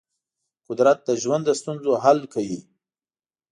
قدرت د ژوند د ستونزو حل کوي.